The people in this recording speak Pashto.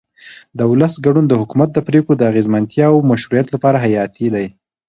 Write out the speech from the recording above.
د ولس ګډون د حکومت د پرېکړو د اغیزمنتیا او مشروعیت لپاره حیاتي دی